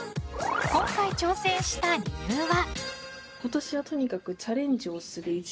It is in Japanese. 今回挑戦した理由は。